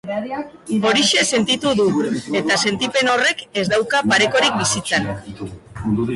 Horixe sentitu dut, eta sentipen horrek ez dauka parekorik bizitzan.